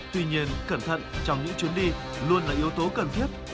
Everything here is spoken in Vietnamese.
tuy nhiên cẩn thận trong những chuyến đi luôn là yếu tố cần thiết